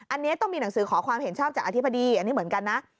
อันนี้ต้องมีหนังสือขอความเห็นชอบจากอธิบดีอันนี้เหมือนกันนะ